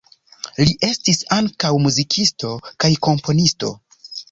Li estis ankaŭ muzikisto kaj komponisto.